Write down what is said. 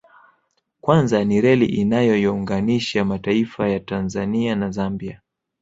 Kwanza ni reli inayoyounganisha mataifa ya Tanzania na Zambia